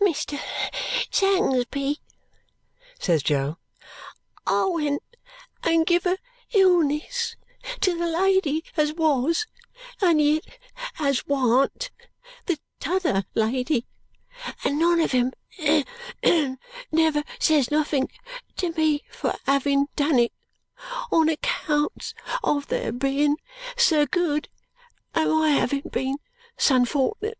"Mr. Sangsby," says Jo, "I went and giv a illness to the lady as wos and yit as warn't the t'other lady, and none of 'em never says nothink to me for having done it, on accounts of their being ser good and my having been s'unfortnet.